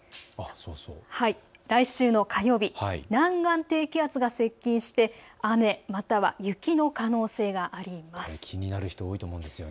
来週の火曜日、南岸低気圧が接近して雨、または雪の可能性があります。